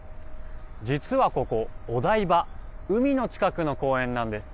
実はここ、お台場海の近くの公園なんです。